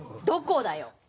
どこだよ？